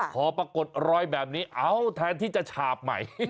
พอปรากฏรอยแบบนี้เอ้าแทนที่จะฉาบใหม่